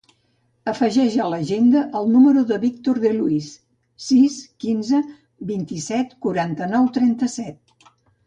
Afegeix a l'agenda el número del Víctor De Luis: sis, quinze, vint-i-set, quaranta-nou, trenta-set.